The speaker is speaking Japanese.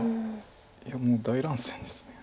いやもう大乱戦です。